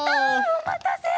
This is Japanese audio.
おまたせ！